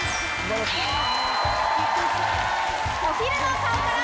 お昼の顔から